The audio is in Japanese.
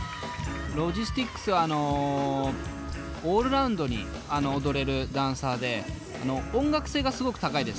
Ｌｏｇｉｓｔｘはオールラウンドに踊れるダンサーで音楽性がすごく高いです。